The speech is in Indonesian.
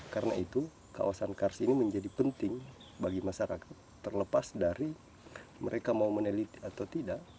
karena itu kawasan kars ini menjadi penting bagi masyarakat terlepas dari mereka mau meneliti atau tidak